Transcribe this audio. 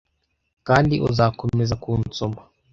kandi uzakomeza kunsoma